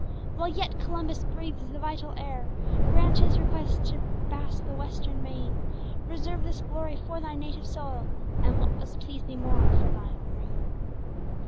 While yet Columbus breathes the vital air, Grant his request to pass the western main: Reserve this glory for thy native soil, And what must please thee more for thy own reign.